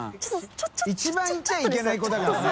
貳行っちゃいけない子だからね